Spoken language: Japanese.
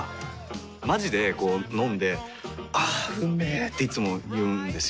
まじでこう飲んで「あーうんめ」っていつも言うんですよ。